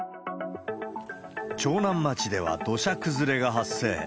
長南町では土砂崩れが発生。